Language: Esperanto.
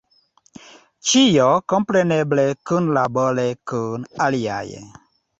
Ĉio kompreneble kunlabore kun aliaj.